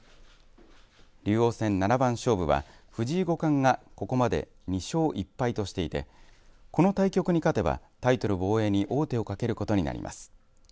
竜王戦、七番勝負は藤井五冠がここまで２勝１敗としていてこの対局に勝てばタイトル防衛に王手をかけることになります。